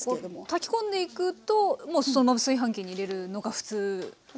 炊き込んでいくともうそのまま炊飯器に入れるのが普通かなと。